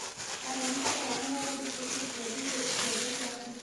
افغانستان تر هغو نه ابادیږي، ترڅو د پردیو له احتیاجه خلاص نشو.